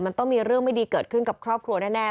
มันต้องมีเรื่องไม่ดีเกิดขึ้นกับครอบครัวแน่